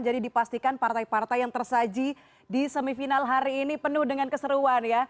jadi dipastikan partai partai yang tersaji di semifinal hari ini penuh dengan keseruan ya